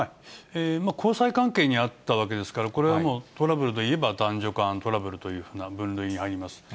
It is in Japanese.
交際関係にあったわけですから、これはもう、トラブルといえば男女間トラブルというふうな分類に入ります。